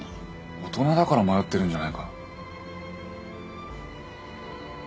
大人だから迷ってるんじゃないか。